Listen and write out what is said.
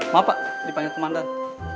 maaf pak dipanggil pemandan